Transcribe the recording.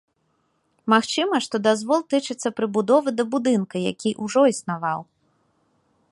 Магчыма, што дазвол тычыцца прыбудовы да будынка, які ўжо існаваў.